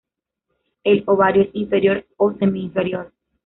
El ovario es inferior o semi-inferior.